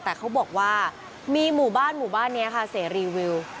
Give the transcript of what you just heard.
แต่เขาบอกว่ามีหมู่บ้านหมู่บ้านนี้ค่ะเสรีวิว